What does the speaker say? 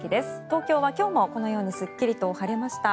東京は今日もこのようにすっきりと晴れました。